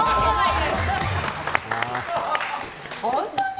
本当に？